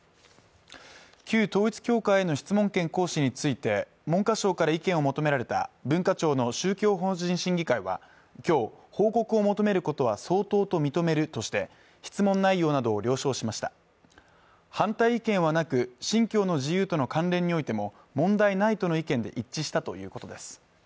旧統一教会への質問権行使について文科省から意見を求められた文化庁の宗教法人審議会はきょう報告を求めることは相当と認めるとして質問内容などを了承しました反対意見はなく信教の自由との関連においても問題ないとの意見で一致したということです